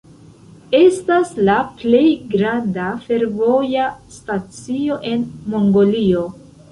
Estas la plej granda fervoja stacio en Mongolio.